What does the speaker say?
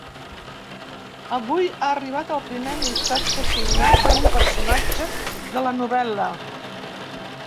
Avui ha arribat el primer missatge signat per un personatge de la novel·la.